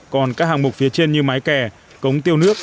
còn các hạng mục phía trên như mái kè cống tiêu nước